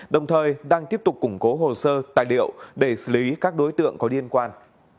đồng thời đang tiếp tục củng cố hồ sơ tài liệu để xử lý các đối tượng có liên quan